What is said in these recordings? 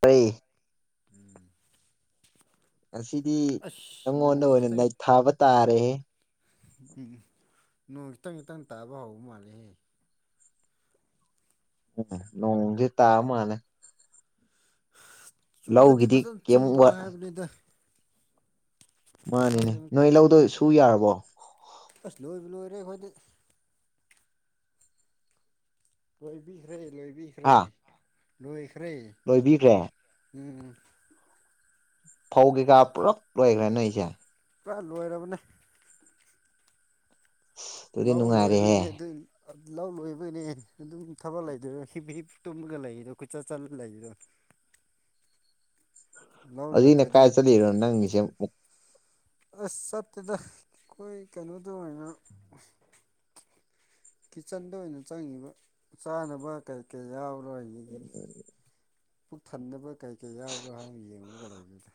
ꯄꯩ ꯎꯝ ꯉꯁꯤꯗꯤ ꯅꯪꯉꯣꯟꯗ ꯑꯣꯏꯅ ꯅꯥꯩ ꯊꯥꯕ ꯇꯥꯔꯦ ꯎꯝ ꯅꯣꯡ ꯈꯤꯇꯪ ꯈꯤꯇꯪ ꯇꯥꯕ ꯍꯧꯕ ꯃꯥꯜꯂꯦꯍꯦ ꯎꯝ ꯅꯣꯡꯗꯤ ꯇꯥ ꯃꯥꯂꯦ ꯆꯨꯔꯗꯤ ꯂꯧꯒꯤꯗꯤ ꯐꯖꯅ ꯀꯩꯝ ꯆꯨꯔꯣ ꯋꯥꯠ ꯍꯥꯏꯕꯅꯤꯗ ꯃꯥꯅꯦꯅꯦ ꯈꯪꯗꯦ ꯅꯣꯏ ꯂꯧꯗꯣ ꯁꯨ ꯌꯥꯔꯕꯣ ꯑꯁ ꯂꯣꯏꯕꯨ ꯂꯣꯏꯔꯦ ꯑꯩꯈꯣꯏꯗꯤ꯫ ꯂꯣꯏꯕꯤꯈ꯭ꯔꯦ ꯂꯣꯏꯕꯤꯈ꯭ꯔꯦ ꯍꯥ ꯂꯣꯏꯈ꯭ꯔꯦ꯫ ꯂꯣꯏꯕꯤꯈ꯭ꯔꯦ꯫ ꯎꯝ꯫ ꯐꯧ ꯀꯩꯀꯥ ꯄꯨꯜꯂꯞ ꯂꯣꯏꯈ꯭ꯔꯦ ꯅꯣꯏ ꯁꯦ ꯄꯨꯔꯥ ꯂꯣꯏꯔꯕꯅꯦ꯫ ꯑꯗꯨꯗꯤ ꯂꯧ ꯅꯨꯡꯉꯥꯏꯔꯦꯍꯦ ꯂꯣꯏꯕꯩꯅꯦ ꯑꯗꯨ ꯂꯧ ꯂꯣꯏꯕꯅꯦ ꯑꯗꯨꯝ ꯊꯕꯛ ꯂꯩꯗꯣꯏꯔ ꯍꯤꯞ ꯍꯤꯞ ꯇꯨꯝꯂꯒ ꯂꯩꯔꯤꯗꯣ ꯈꯨꯠꯆꯠ ꯆꯠꯂ ꯂꯩꯗꯣ꯫ ꯂꯧ ꯑꯗꯨꯅ ꯂꯣꯏꯗ꯭ꯔꯗꯤ ꯀꯥꯏ ꯆꯠꯂꯤꯅꯣ ꯅꯪꯒꯤꯁꯦ ꯑꯁ ꯆꯠꯇꯦꯗ ꯑꯩꯈꯣꯏ ꯀꯩꯅꯣꯗ ꯑꯣꯏꯅ꯫ ꯀꯤꯠꯆꯟꯗ ꯑꯣꯏꯅ ꯆꯪꯉꯤꯕ ꯆꯥꯅꯕ ꯀꯩ ꯀꯩ ꯌꯥꯎꯔꯔꯣꯏ꯫ ꯎꯝ ꯄꯨꯛ ꯊꯟꯅꯕ ꯀꯩꯀꯩ ꯌꯥꯎꯅꯕꯔ ꯍꯥꯏꯅ ꯌꯦꯡꯉꯒ ꯂꯩꯕꯅꯦ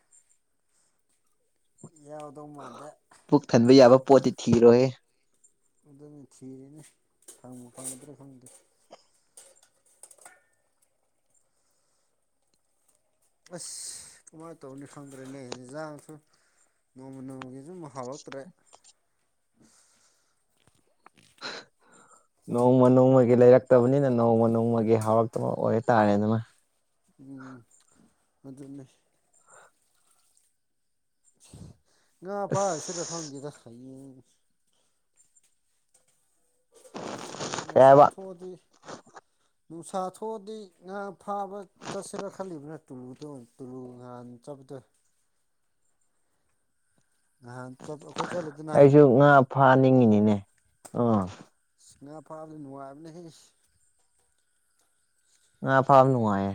ꯌꯥꯎꯗꯧ ꯃꯥꯟꯗ ꯄꯨꯛ ꯊꯟꯕ ꯌꯥꯕ ꯄꯣꯠꯇꯤ ꯊꯤꯔꯣꯏꯍꯦ ꯑꯗꯨꯅ ꯊꯤꯔꯦꯅꯦ ꯈꯪꯉꯨ ꯐꯪꯒꯗ꯭ꯔꯥ ꯈꯪꯗꯦ ꯑꯁ ꯀꯃꯥꯏꯅ ꯇꯧꯅꯤ ꯈꯪꯗ꯭ꯔꯦꯅꯦ ꯌꯦꯟꯖꯥꯡꯁꯨ ꯅꯣꯡꯃ ꯅꯣꯡꯃꯒꯤ ꯁꯨꯝ ꯍꯥꯥꯎꯂꯛꯇ꯭ꯔꯦ [inaudible] ꯅꯣꯡꯃ ꯅꯣꯡꯃꯒꯤ ꯂꯩꯔꯛꯇꯕꯅꯤꯅ ꯅꯣꯡꯃ ꯅꯣꯡꯃꯒꯤ ꯍꯧꯥꯎꯔꯛꯇꯕ ꯑꯣꯏꯇꯥꯔꯦ ꯑꯗꯨꯃꯥꯏ꯫ ꯎꯝ ꯑꯗꯨꯅꯦ꯫ ꯉꯥ ꯐꯁꯨ ꯔ ꯑꯁ ꯈꯪꯗꯦꯗ ꯍꯥꯌꯦꯡ ꯀꯩ ꯅꯨꯡꯁꯥ ꯍꯥꯏꯕ ꯊꯣꯛꯑꯗꯤ ꯅꯨꯡꯁꯥ ꯊꯣꯛꯑꯗꯤ ꯉꯥ ꯐꯥꯕ ꯆꯁꯦꯔ ꯈꯜꯂꯤꯂꯤ ꯄꯨꯅ ꯇꯨꯂꯨꯗ ꯇꯨꯂꯨ ꯉꯍꯥꯟ ꯆꯄꯗ ꯉꯍꯥꯟ ꯑꯩꯈꯣꯏ ꯆꯠꯂꯗꯅꯦ ꯑꯩꯁꯨ ꯉꯥ ꯐꯥꯅꯤꯡꯉꯤꯅꯤꯅꯦ ꯑꯥ ꯑꯁ ꯉꯥ ꯐꯥꯕꯗ ꯅꯨꯡꯉꯥꯏꯕꯅꯍꯦ꯫ ꯉꯥ ꯐꯥꯕ ꯅꯨꯡꯉꯥꯏꯌꯦ꯫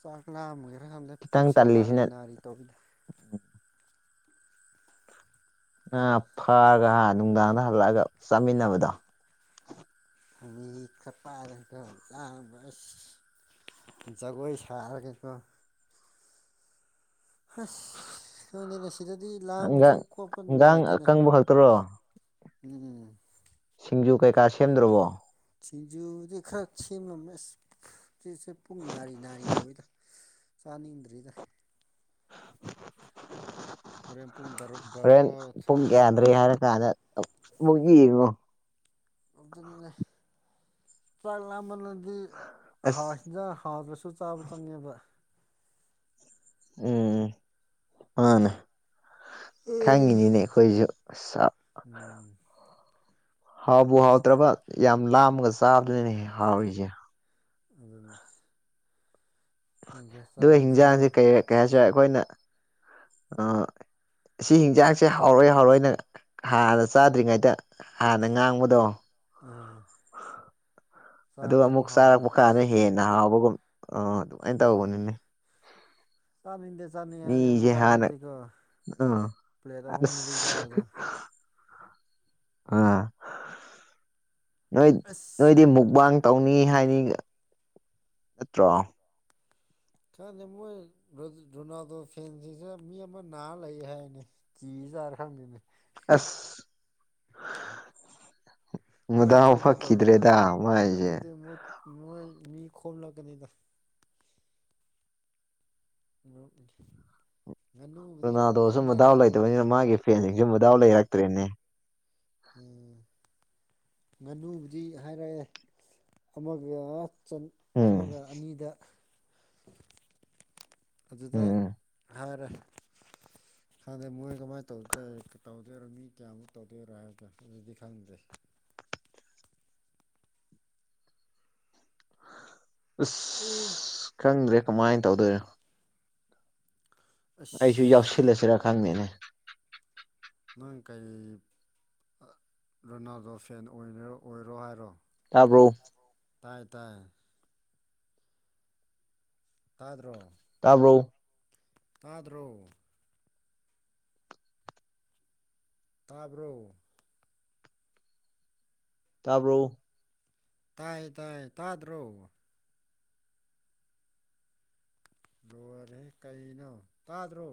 ꯆꯥꯛ ꯂꯥꯝ ꯑꯃꯒꯦꯔ ꯀꯥꯟꯗ ꯈꯤꯇꯪ ꯄꯨꯛꯁꯦ ꯅꯥꯔꯤ ꯇꯜꯂꯤꯁꯤꯅ ꯅꯥꯔꯤ ꯇꯧꯔꯤꯗ ꯉꯥ ꯐꯔꯒ ꯅꯨꯡꯗꯥꯡꯗ ꯍꯜꯂꯛꯑꯒ ꯆꯥꯃꯤꯟꯅꯕꯗꯣ꯫ ꯈꯨꯒꯤ ꯆꯞꯄꯔꯗꯜꯂ ꯑꯁ ꯖꯒꯣꯏ ꯁꯥ ꯑꯒꯤ ꯀꯣ꯫ ꯍꯁ ꯈꯪꯗꯦꯅꯦ ꯁꯤꯗꯗꯤ ꯂꯥꯡꯕꯁꯨ ꯍꯪꯒꯥꯡ ꯈꯣꯠꯄ ꯍꯪꯒꯥꯝ ꯅꯨꯡꯉꯥꯏꯇꯦꯅꯦ ꯑꯀꯪꯕ ꯈꯛꯇꯔꯣ ꯎꯝ꯫ ꯁꯤꯡꯖꯨ ꯀꯩꯀꯥ ꯁꯦꯝꯗ꯭ꯔꯕꯣ꯫ ꯁꯤꯡꯖꯨꯗꯤ ꯈꯔ ꯁꯦꯝꯂꯝꯃꯦ ꯑꯁ ꯆꯁꯦ ꯄꯨꯡ ꯅꯥꯔꯤ ꯅꯥꯔꯤ ꯇꯧꯋꯤꯗ꯫ ꯆꯥꯅꯤꯡꯗ꯭ꯔꯤꯗ꯫ ꯍꯣꯔꯦꯟ ꯄꯨꯡ ꯇꯔꯨꯛ ꯍꯣꯔꯦꯟ ꯕꯥꯔꯣ ꯄꯨꯡ ꯌꯥꯗ꯭ꯔꯔꯤ ꯍꯥꯏꯔ ꯀꯥꯟꯗ ꯃꯨꯒꯤꯉꯣ ꯑꯗꯨꯅꯦ ꯆꯥꯛ ꯂꯥꯃꯥꯜꯂꯗꯤ ꯑꯁ ꯍꯧꯏ ꯏꯟꯖ ꯍꯥꯎꯗꯁꯨ ꯆꯥꯕ ꯆꯪꯉꯦꯕ ꯎꯝ ꯃꯥꯅꯦ ꯈꯪꯉꯤꯅꯤꯅꯦ ꯑꯩꯈꯣꯏꯁꯨꯞ ꯎꯝ꯫ ꯍꯥꯎꯕ ꯍꯥꯎꯗ꯭ꯔꯕ ꯌꯥꯝ ꯂꯥꯝꯃꯒ ꯆꯥꯕꯅꯤꯅ ꯍꯥꯎꯔꯤꯁꯦ꯫ ꯑꯗꯨ ꯅꯦ ꯈꯪꯗꯔꯦ ꯑꯗꯨꯒ ꯍꯤꯟꯖꯥꯡꯁꯦ ꯆꯥꯛꯏꯟꯁꯥꯡ ꯀꯩ ꯀꯩ ꯍꯥꯏꯁꯔꯦ ꯑꯩꯈꯣꯏꯅ ꯑ ꯁꯤ ꯍꯤꯟꯖꯥꯛꯁꯦ ꯍꯥꯎꯔꯣꯏꯏ ꯍꯥꯎꯔꯏꯅ ꯍꯥꯟꯅ ꯆꯥꯗ꯭ꯔꯤꯉꯩꯗ ꯍꯥꯟꯅ ꯉꯥꯡꯕꯗꯣ ꯎꯝ꯫ ꯑꯗꯨꯒ ꯑꯃꯨꯛ ꯍꯥꯎꯕꯅꯦ ꯆꯥꯔꯛꯄꯥꯟꯅꯤ ꯍꯦꯟꯅ ꯍꯥꯎꯕꯒꯨꯝ ꯑ ꯑꯗꯨꯃꯥꯏꯅ ꯎꯝ ꯇꯧꯕꯅꯤꯅꯦ꯫ ꯆꯥꯅꯤꯡꯗꯦ ꯆꯥꯅꯤꯡ ꯍꯥꯏꯔꯒ ꯑꯃꯨꯛ ꯃꯤꯖ ꯍꯥꯟꯅ ꯆꯥꯔꯗꯤꯀꯣ ꯑꯝ꯫ ꯄ꯭ꯂꯦꯠ ꯑꯍꯨꯝ ꯃꯔꯤ ꯑꯁ ꯆꯥꯕꯗꯣ [unintelligible] ꯑ ꯅꯣꯏ ꯑꯁ ꯅꯣꯏꯗꯤ ꯃꯨꯛꯕꯥꯥꯡ ꯇꯧꯅꯤ ꯍꯥꯏꯅꯤ ꯅꯠꯇ꯭ꯔꯣ ꯈꯪꯗ‌ꯦ ꯃꯣꯏ ꯔꯣꯅꯥꯜꯗꯣ ꯐꯦꯟꯁꯤꯡꯁꯤ ꯃꯤ ꯑꯃ ꯅꯥꯔ ꯂꯩ ꯍꯥꯏꯅꯤ ꯀꯤꯖꯔ ꯈꯪꯗ‌ꯦꯅꯦ ꯑꯁ ꯃꯣꯏ ꯃꯗꯥꯎ ꯊꯣꯛꯄ ꯐꯠꯈꯤꯗ꯭ꯔꯦꯗ ꯃꯥꯏꯁꯦ ꯃ‌ꯣꯏ ꯃꯤ ꯈꯣꯝꯂꯛꯀꯅꯤꯗ ꯉꯥꯅꯨꯕꯨꯗꯤ ꯔꯣꯅꯥꯜꯗꯣꯁꯨ ꯃꯗꯥꯎ ꯍꯥꯏꯅꯔꯦ ꯂꯩꯇꯕꯅꯤꯅ ꯃꯥꯒꯤ ꯐꯦꯟꯁꯤꯡꯁꯨ ꯃꯗꯥꯎ ꯂꯩꯔꯛꯇ꯭ꯔꯦꯅꯦ ꯎꯝ ꯉꯥꯅꯨꯕꯨꯗꯤ ꯍꯥꯏꯔꯑꯦ ꯑꯃꯒ ꯆ ꯎꯝ ꯑꯃꯒ ꯑꯅꯤꯗ ꯑꯗꯨꯗ ꯎꯝ ꯍꯥꯏꯔꯦ ꯍꯥꯟꯅꯩ ꯃꯣꯏ ꯀꯃꯥꯏꯅ ꯇꯧꯗ ꯇꯧꯗꯣꯏꯔꯣ ꯃꯤ ꯀꯌꯥꯃꯨꯛ ꯇꯧꯗꯣꯏꯔꯥ ꯍꯥꯏꯕꯗꯣ ꯑꯗꯨꯗꯤ ꯈꯪꯗꯦ ꯑꯁ [unintelligible] ꯑꯁ ꯈꯪꯗ꯭ꯔꯦ ꯀꯃꯥꯏꯟ ꯇꯧꯗꯣꯏꯔ‌ꯣ [unintelligible] ꯑꯩꯁꯨ ꯌꯥꯎꯁꯤꯜꯂꯁꯤꯔꯥ ꯈꯪꯗꯦꯅꯦ ꯅꯪ ꯀꯩ ꯔꯣꯅꯥꯜꯗꯣ ꯐꯦꯟ ꯑꯣꯏꯒ‌ꯦꯔꯥ ꯑꯣꯏꯔ‌ꯣ ꯍꯥꯏꯔꯣ ꯇꯥꯕ꯭ꯔꯣ ꯇꯥꯏꯌꯦ ꯇꯥꯏꯌꯦ ꯇꯥꯗ꯭ꯔꯣ ꯇꯥꯕ꯭ꯔꯣ ꯇꯥꯗ꯭ꯔꯣ ꯇꯥꯕ꯭ꯔꯣ ꯇꯥꯕ꯭ꯔꯣ ꯇꯥꯏ ꯇꯥꯏ ꯇꯥꯗ꯭ꯔꯣ ꯂꯣꯏꯔꯦꯍ‌ꯦ ꯀꯩꯅꯣ ꯇꯥꯗ꯭ꯔꯣ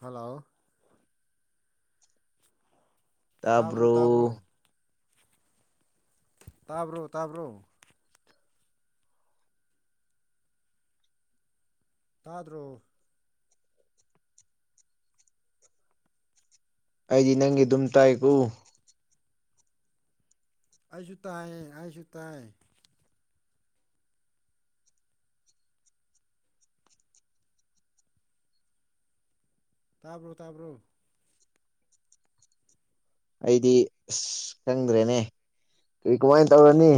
ꯍꯂꯣ ꯇꯥꯕ꯭ꯔꯣ ꯇꯥꯕ꯭ꯔꯣ ꯇꯥꯕ꯭ꯔꯣ ꯇꯥꯕ꯭ꯔꯣ ꯇꯥꯗ꯭ꯔꯣ ꯑꯩꯗꯤ ꯅꯪꯒꯤ ꯑꯗꯨꯝ ꯇꯥꯏꯀꯣ ꯑꯩꯁꯨ ꯇꯥꯏꯌꯦ ꯑꯩꯁꯨ ꯇꯥꯏ ꯇꯥꯕ꯭ꯔꯣ ꯇꯥꯕ꯭ꯔꯣ ꯑꯩꯗꯤ ꯑꯁ ꯈꯪꯗ꯭ꯔꯦꯅꯦ ꯀꯔꯤ ꯀꯃꯥꯏꯅ ꯇꯧꯔꯅꯤ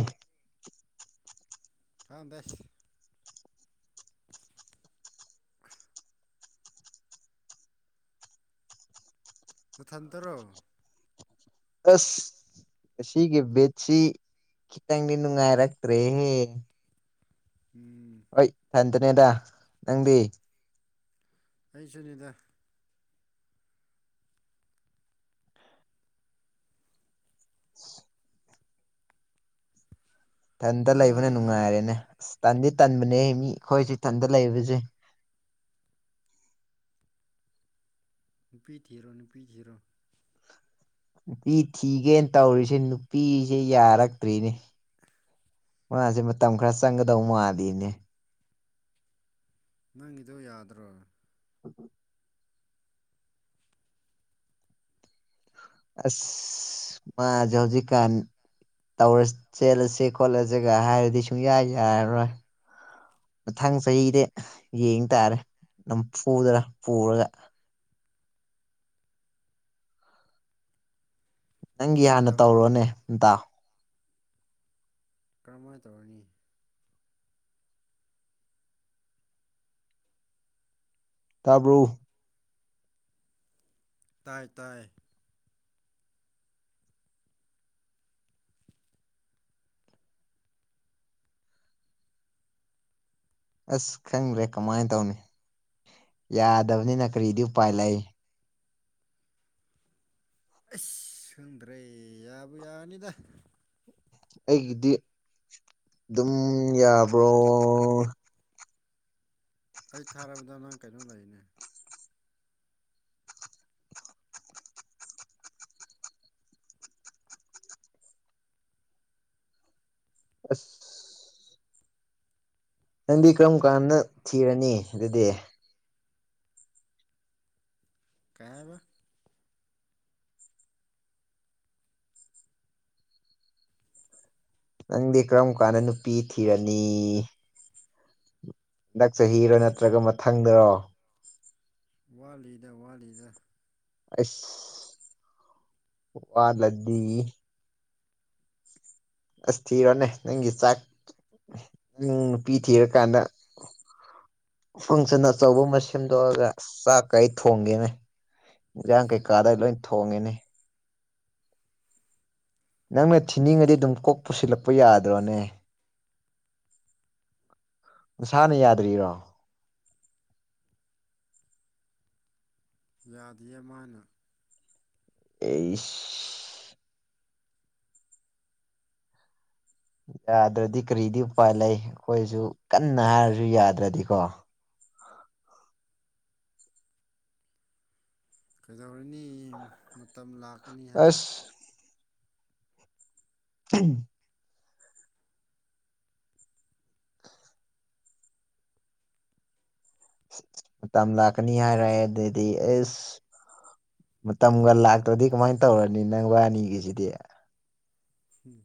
ꯈꯪꯗ‌ꯦꯁ [unintelligible] ꯅꯊꯟꯇꯔꯣ ꯑꯁ ꯑꯁꯤꯒꯤ ꯕꯦꯠꯁꯤ ꯈꯤꯇꯪꯗꯤ ꯅꯨꯡꯉꯥꯏꯔꯛꯇ꯭ꯔꯦꯍꯦ ꯎꯝ ꯍꯣꯏ ꯐꯟꯗꯅꯦꯗ ꯅꯪꯗꯤ ꯑꯩ ꯁꯨꯅꯤꯗ ꯊꯟꯇ ꯂꯩꯕꯅ ꯅꯨꯡꯉꯥꯏꯔꯦꯅꯦ ꯑꯁ ꯇꯟꯗꯤ ꯇꯟꯕꯅꯦ ꯃꯤ ꯑꯩꯈꯣꯏꯁꯤ ꯏꯊꯟꯗ ꯂꯩꯕꯁꯦ ꯅꯨꯄꯤ ꯊꯤꯔꯣ ꯅꯨꯄꯤ ꯊꯤꯔꯣ ꯅꯨꯄꯤ ꯊꯤꯒꯦꯅ ꯇꯧꯔꯤꯁꯦ ꯅꯨꯄꯤꯁꯦ ꯌꯥꯔꯛꯇ꯭ꯔꯤꯅꯦ [inaudible] ꯃꯥꯁꯦ ꯃꯇꯝ ꯈꯔ ꯆꯪꯒꯗꯧ ꯃꯥꯜꯂꯤꯅꯦ ꯅꯪꯒꯤꯗꯣ ꯌꯥꯗ꯭ꯔꯣ [unintelligible] ꯑꯁ ꯃꯥꯁꯨ ꯍꯧꯖꯤꯀꯥꯟ ꯇꯧ ꯆꯦꯜꯂꯁ ꯈꯣꯠꯂꯁꯤꯒ ꯍꯥꯏꯔꯗꯤ ꯁꯨꯡꯌꯥꯏ ꯌꯥꯔꯔꯣꯏ ꯃꯊꯪ ꯆꯍꯤꯗꯤ ꯌꯦꯡ ꯇꯥꯔꯦ ꯑꯗꯨꯝ ꯄꯨꯗꯔ ꯄꯨꯔꯒ ꯅꯪꯒꯤ ꯀꯃꯥꯏꯅ ꯍꯥꯟꯅ ꯇꯧꯅꯤ ꯇꯧꯔꯣꯅꯦ ꯑꯗꯨꯗꯤ ꯇꯥ ꯀꯔꯝꯍꯥꯏꯅ ꯇꯧꯔꯅꯤ ꯇꯥꯕ꯭ꯔꯣ ꯇꯥꯏ ꯇꯥꯏ ꯑꯁ ꯈꯪꯗ꯭ꯔꯦ ꯀꯃꯥꯏꯅ ꯇꯧꯅꯤ ꯌꯥꯗꯕꯅꯤꯅ ꯀꯔꯤꯗꯤ ꯎꯄꯥꯏ ꯂꯩ ꯑꯩꯁ ꯈꯪꯗ꯭ꯔꯦ ꯌꯥꯕꯨ ꯌꯥꯅꯤꯗ ꯑꯩꯒꯤꯗꯤ ꯑꯗꯨꯝ ꯌꯥꯕ꯭ꯔꯣ ꯑꯩ ꯊꯥꯔꯕꯗ ꯅꯪ ꯀꯩꯅꯣ ꯂꯩꯅꯦ ꯑꯁ ꯅꯪꯗꯤ ꯀꯔꯝ ꯀꯥꯟꯗ ꯊꯤꯔꯅꯤ ꯑꯗꯨꯗꯤ ꯀꯩ ꯍꯥꯏꯕ ꯅꯪꯗꯤ ꯀꯔꯝ ꯀꯥꯟꯗ ꯅꯨꯄꯤ ꯊꯤꯔꯅꯤ ꯍꯟꯗꯛ ꯆꯍꯤꯔꯣ ꯅꯠꯇ꯭ꯔꯒ ꯃꯊꯪꯗꯔꯣ ꯋꯥꯠꯂꯤꯗ ꯋꯥꯠꯂꯤꯗ ꯑꯁ ꯋꯥꯠꯂꯗꯤ ꯑꯁ ꯊꯤꯔꯣꯅꯦ ꯅꯪꯒꯤ ꯆꯥꯛ ꯅꯪ ꯅꯨꯄꯤ ꯊꯤꯔꯀꯥꯟꯗ ꯐꯪꯁꯟ ꯑꯆꯧꯕ ꯑꯃ ꯁꯦꯝꯗꯣꯛꯑꯒ ꯆꯥꯛ ꯀꯩ ꯊꯣꯡꯒꯦꯅꯦ ꯏꯟꯁꯥꯡ ꯀꯩꯀꯥꯗ ꯂꯣꯏ ꯊꯣꯡꯉꯤꯅꯦ ꯅꯪꯅ ꯊꯤꯅꯤꯡꯉꯗꯤ ꯑꯗꯨꯝ ꯀꯣꯛ ꯄꯨꯁꯤꯜꯂꯛꯄ ꯌꯥꯗ꯭ꯔꯣꯅꯦ ꯅꯁꯥꯅ ꯌꯥꯗ꯭ꯔꯤꯔꯣ ꯌꯥꯗꯦ ꯃꯥꯅ ꯑꯁ ꯌꯥꯗ꯭ꯔꯗꯤ ꯀꯔꯤꯗꯤ ꯎꯄꯥꯏ ꯂꯩ ꯑꯩꯈꯣꯏꯁꯨ ꯀꯟꯅ ꯍꯥꯏꯔꯁꯨ ꯌꯥꯗ꯭ꯔꯗꯤꯀꯣ ꯀꯩꯗꯧꯔꯅꯤ ꯃꯇꯝ ꯂꯥꯛꯀꯅꯤ ꯍꯥꯏ ꯑꯁ [unintelligible] ꯃꯇꯝ ꯂꯥꯛꯀꯅꯤ ꯍꯥꯏꯔꯦꯗꯤ ꯑꯦ ꯃꯇꯝꯒ ꯂꯥꯛꯇ꯭ꯔꯗꯤ ꯀꯃꯥꯏꯅ ꯇꯧꯔꯅꯤ ꯅꯪ ꯋꯥꯅꯤꯒꯤꯁꯤꯗꯤ ꯎꯝ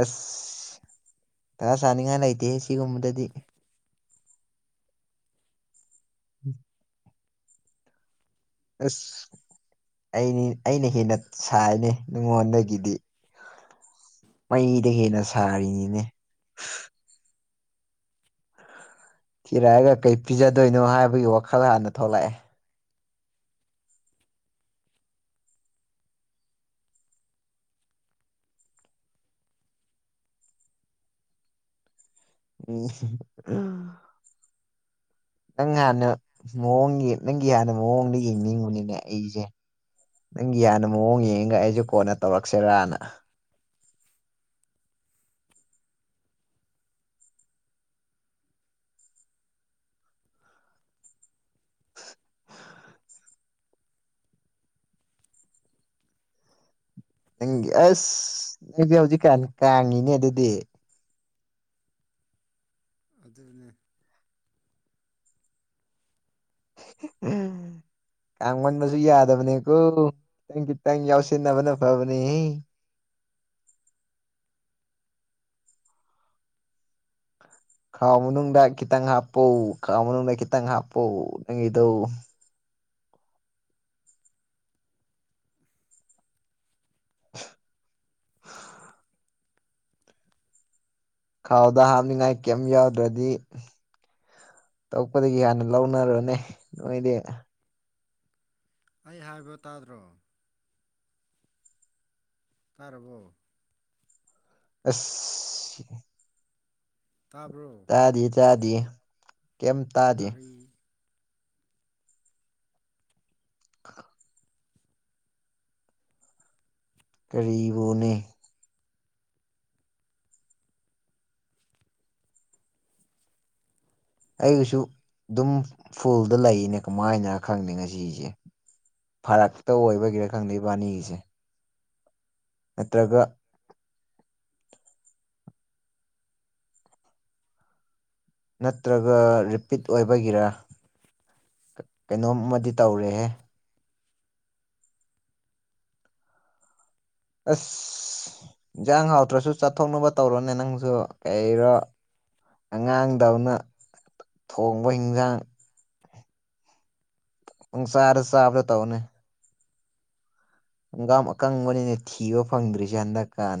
ꯑꯁ ꯇꯥꯁꯥꯅꯤꯉꯥꯏꯅ ꯂꯩꯇꯦꯍꯦꯁꯤ ꯁꯤꯒꯨꯝꯕꯗꯗꯤ ꯎꯝ ꯑꯁ ꯑꯩꯅꯤ ꯑꯩꯅ ꯍꯦꯟꯅ ꯁꯥꯏꯅꯦ ꯉꯣꯟꯗꯒꯤꯗꯤ ꯃꯩꯗꯩ ꯍꯦꯟꯅ ꯁꯥꯔꯤꯅꯤꯅꯦ ꯊꯤꯔꯛꯑꯒ ꯀꯩ ꯄꯤꯖꯗꯣꯏꯅꯣ ꯍꯥꯏꯕꯒꯤ ꯋꯥꯈꯜ ꯍꯥꯟꯅ ꯊꯣꯛꯂꯛꯑꯦ ꯎꯝ ꯅꯪ ꯍꯥꯟꯅ ꯃꯑꯣꯡꯒꯤ ꯅꯪꯒꯤ ꯍꯥꯟꯅ ꯃꯑꯣꯡꯗ ꯌꯦꯡꯅꯤꯡꯉꯨꯅꯤꯅꯦ ꯑꯩꯁꯦ ꯅꯪꯒꯤ ꯍꯅ ꯃꯑꯣꯡ ꯌꯦꯡꯉꯒ ꯑꯩꯁꯦ ꯀꯣꯟꯅ ꯇꯧꯔꯛꯁꯤꯔꯅ [unintelligible] ꯅꯪꯒꯤ ꯑꯁ ꯅꯁ ꯍꯧꯖꯤꯛꯀꯥꯟ ꯀꯥꯡꯉꯤꯅꯦ ꯑꯗꯨꯗꯤ ꯑꯗꯨꯅꯦ [unintelligible] ꯀꯥꯡꯒꯟꯕꯁꯨ ꯌꯥꯗꯕꯅꯦꯀꯣ ꯈꯤꯇꯪ ꯈꯤꯇꯪ ꯌꯥꯎꯁꯟꯅꯕꯅ ꯐꯕꯅꯦꯍꯦ ꯈꯥꯎ ꯃꯅꯨꯡꯗ ꯈꯤꯇꯪ ꯍꯥꯞꯄꯧ ꯈꯥꯥꯎ ꯃꯅꯨꯡꯗ ꯈꯤꯇꯪ ꯍꯥꯞꯄꯧ ꯅꯪꯒꯤꯙꯧ [inaudible] [unintelligible] [unintelligible] ꯈꯥꯎꯗ ꯍꯥꯞꯅꯤꯉꯥꯏ ꯀꯩꯝ ꯌꯥꯎꯗ꯭ꯔꯗꯤ ꯇꯛꯄꯗꯒꯤ ꯍꯥꯟꯅ ꯂꯧꯅꯔꯨꯔꯅꯦ ꯅꯣꯏꯗꯤ ꯑꯩ ꯍꯥꯏꯕ ꯇꯥꯗ꯭ꯔꯣ ꯇꯥꯔꯕꯣ ꯑꯁ ꯇꯥꯕ꯭ꯔꯣ ꯆꯥꯗ ꯆꯥꯗ ꯀ ꯀꯔꯤ ꯑ ꯀꯔꯤꯕꯨꯅꯤ ꯑꯩꯁꯨ ꯑꯗꯨꯝ ꯐꯨꯜꯗ ꯂꯩꯅꯦ ꯀꯃꯥꯏꯅ ꯈꯪꯗꯦ ꯉꯁꯤꯁꯦ ꯐꯔꯛꯇ ꯑꯣꯏꯕꯒꯤꯔꯥ ꯈꯪꯗ ꯏꯕꯥꯅꯤꯒꯤꯁꯦ ꯅꯠꯇ꯭ꯔꯒ ꯅꯠꯇ꯭ꯔꯒ ꯔꯤꯄꯤꯠ ꯑꯣꯏꯕꯒꯤꯔ ꯀꯩꯅꯣꯝꯃ ꯇꯧꯔꯦꯍꯦ ꯑꯁ ꯏꯟꯖꯥꯡ ꯍꯥꯎꯇ꯭ꯔꯁꯨ ꯆꯠꯊꯣꯛꯅꯕ ꯇꯧꯔꯣꯅꯦ ꯅꯪꯁꯨ ꯀꯩꯔꯣ ꯑꯉꯥꯡꯗꯧꯅ ꯊꯣꯡꯕ ꯍꯟꯁꯥꯡ ꯅꯨꯡꯁꯥꯔꯦ ꯆꯥꯕꯗ ꯇꯧꯅꯦ ꯍꯪꯒꯥꯝ ꯑꯀꯪꯕꯅꯤꯅ ꯊꯤꯕ ꯐꯪꯗ꯭ꯔꯤꯁꯦ ꯍꯟꯗꯛꯀꯥꯟ